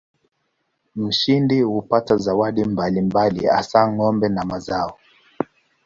Mshindi hupata zawadi mbalimbali hasa ng'ombe na mazao.